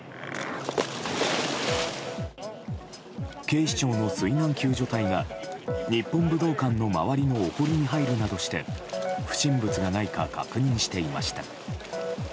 警視庁の水難救助隊が日本武道館の周りのお堀に入るなどして不審物がないか確認していました。